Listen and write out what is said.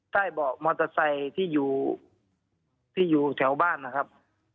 ใต้เบาะรถมอเตอร์ไซค์ที่อยู่แถวบ้านนะครับ